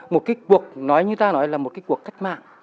một cái cuộc nói như ta nói là một cái cuộc cách mạng